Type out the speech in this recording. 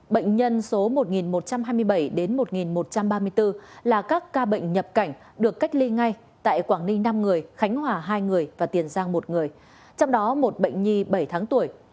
bệnh nhân số một một trăm hai mươi bảy đến một một trăm ba mươi bốn là các ca bệnh nhập cảnh được cách ly ngay tại quảng ninh năm người khánh hòa hai người và tiền giang một người trong đó một bệnh nhi bảy tháng tuổi